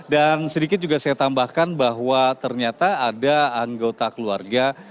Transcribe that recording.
dan sedikit juga saya tambahkan bahwa ternyata ada anggota keluarga